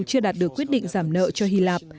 chưa đạt được quyết định giảm nợ cho hy lạp